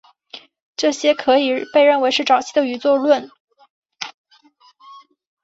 这些可以被认为是早期的宇宙论。